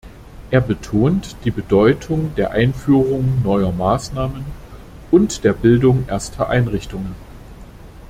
Er betont die Bedeutung der Einführung neuer Maßnahmen und der Bildung erster Einrichtungen.